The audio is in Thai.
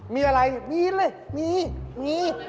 มีอะไรมีเลยมีมี